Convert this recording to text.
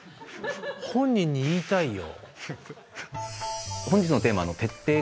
本人に言いたいよ。